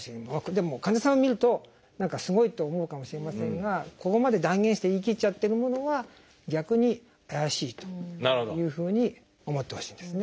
でも患者さんが見ると何かすごいって思うかもしれませんがここまで断言して言い切っちゃってるものは逆に怪しいというふうに思ってほしいですね。